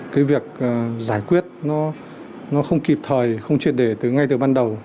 cái việc giải quyết nó không kịp thời không triệt đề từ ngay từ ban đầu